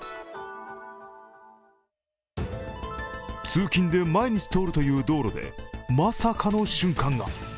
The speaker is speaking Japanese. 通勤で毎日通るという道路でまさかの瞬間が。